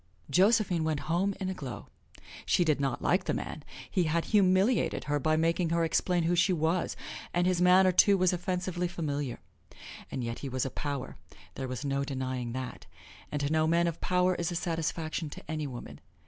Josephine went home in a glow. She did not like the man he had humiliated her by making her explain who she was, and his manner, too, was offensively familiar. And yet he was a power, there was no denying that, and to know men of power is a satisfaction to any woman.